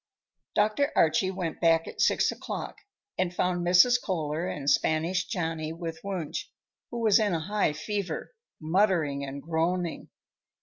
Dr. Archie went back at six o'clock, and found Mrs. Kohler and Spanish Johnny with Wunsch, who was in a high fever, muttering and groaning.